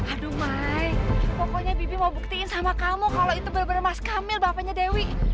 aduh mai pokoknya bibi mau buktiin sama kamu kalau itu benar benar mas kamil bapaknya dewi